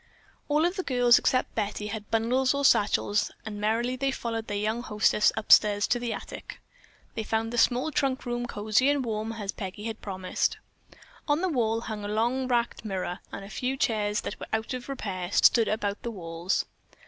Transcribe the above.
All of the girls except Betty had bundles or satchels and merrily they followed their young hostess upstairs to the attic. They found the small trunk room cosy and warm, as Peggy had promised. On the wall hung a long, racked mirror, and few chairs that were out of repair stood about the walls.